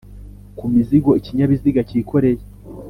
kumzigo ikinyabiziga cyikoreye